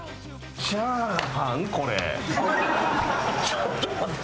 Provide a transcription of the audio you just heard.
ちょっと待って。